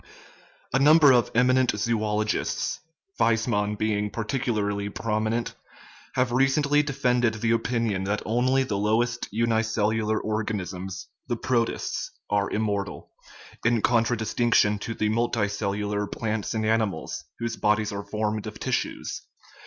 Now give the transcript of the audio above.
A number of eminent zoologists Weismann being particularly prominent have recently defended the opinion that only the lowest unicellular organisms, the protists, are immortal, in contradistinction to the multicellular plants and animals, whose bodies are formed of tissues.